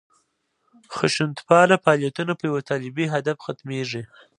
خشونتپاله فعالیتونه په یوه طالبي هدف ختمېږي.